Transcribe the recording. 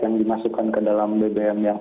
yang dimasukkan ke dalam bbm yang